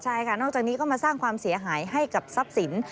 ใช่ค่ะนอกจากนี้ก็มาสร้างความเสียหายให้กับทรัพย์สิน